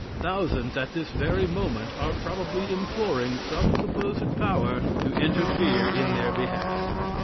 Thousands, at this very moment, are probably imploring some supposed power to interfere in their behalf.